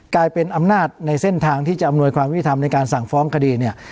กลายเป็นอำนาจนายเซ่นทางที่จะอำนวยความวิวในการสั่งฟ้องข้อะ